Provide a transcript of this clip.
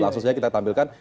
langsung saja kita tampilkan